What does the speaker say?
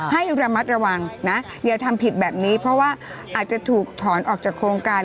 ให้ระมัดระวังนะอย่าทำผิดแบบนี้เพราะว่าอาจจะถูกถอนออกจากโครงการ